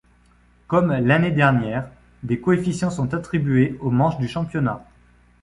Comme l'année dernière, des coefficients sont attribués aux manche du championnat.